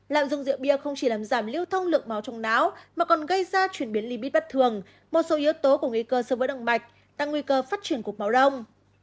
làm dùng rượu bia không chỉ làm giảm lưu thông lượng máu trong não mà còn gây ra chuyển biến limit bất thường một số yếu tố của nguy cơ sơ vỡ động bạch tăng nguy cơ phát triển cục máu đông